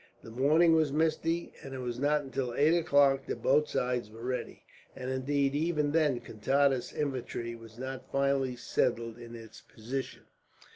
The morning was misty, and it was not until eight o'clock that both sides were ready, and indeed even then Contades' infantry was not finally settled in its position.